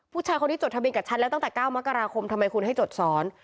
ผู้ชายคนนี้จดทะเบียนกับฉันแล้วตั้งแต่๙มกราคมทำไมคุณให้จดสอน